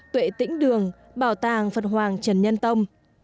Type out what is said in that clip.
tuệ tĩnh đường bảo tàng phật hoàng trần nhân tông